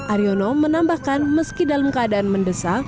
aryono menambahkan meski dalam keadaan mendesak